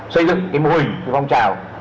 xây dựng cái mô hình phòng chào